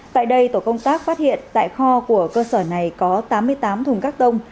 tại đây tổ công tác phát hiện tại kho của cơ sở này có tám mươi tám thùng các tông